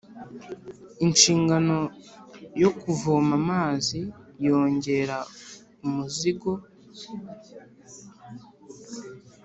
inshingano yo kuvoma amazi yongera umuzigo